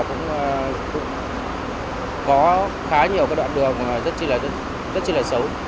có khá nhiều cái đoạn đường rất chi là xấu